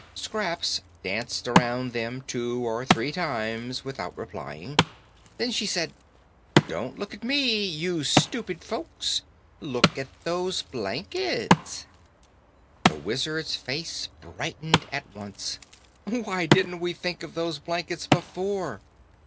Scraps danced around them two or three times without reply. Then she said, "Don't look at me, you stupid folks. Look at those blankets." The Wizard's face brightened at once. "Why didn't we think of those blankets before?"